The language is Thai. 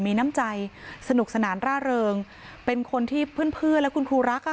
มีน้ำใจสนุกสนานร่าเริงเป็นคนที่เพื่อนเพื่อนและคุณครูรักอ่ะ